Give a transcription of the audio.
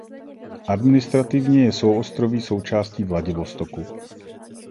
Administrativně je souostroví součástí Vladivostoku.